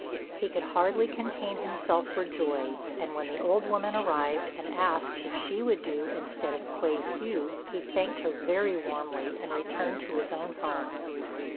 He could hardly contain himself for joy; and when the old woman arrived and asked if she would do instead of Kuei hsiu, he thanked her very warmly and returned to his own home.